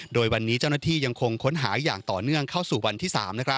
โดยวันนี้เจ้าหน้าที่ยังคงค้นหาอย่างต่อเนื่องเข้าสู่วันที่๓